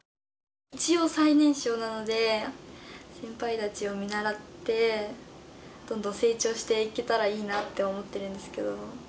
一応最年少なので先輩たちを見習ってどんどん成長していけたらいいなって思ってるんですけど。